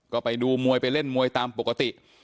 ก็ไปดูมวยไปเล่นมวยตามปกติ